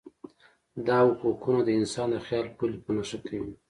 دا افقونه د انسان د خیال پولې په نښه کوي.